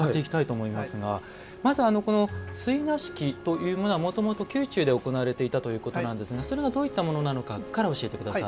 まず追儺式というのはもともと、宮中で行われていたということですがどういうものなのか教えてください。